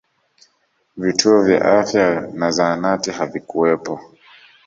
vituo vya afya na zahanati havikuwepo